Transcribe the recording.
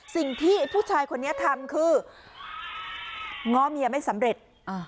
สิ่งที่ผู้ชายคนนี้ทำคือง้อเมียไม่สำเร็จ